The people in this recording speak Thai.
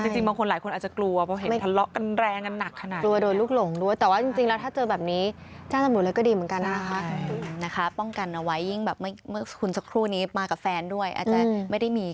จริงบางคนหลายคนอาจจะกลัวเพราะเห็นทะเลาะกันแรงกันหนักขนาดนี้